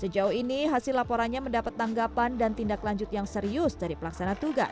sejauh ini hasil laporannya mendapat tanggapan dan tindak lanjut yang serius dari pelaksana tugas